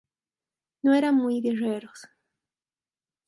No eran muy guerreros.